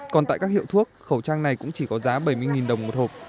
còn tại các hiệu thuốc khẩu trang này cũng chỉ có giá bảy mươi đồng một hộp